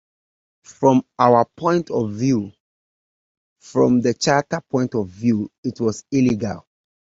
From our point of view, from the charter point of view, it was illegal.